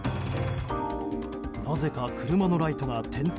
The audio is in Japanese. なぜか車のライトが点灯。